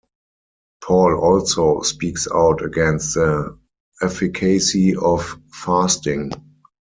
Paul also speaks out against the efficacy of fasting.